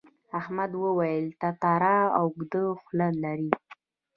احمد وویل تتارا اوږده خوله لري.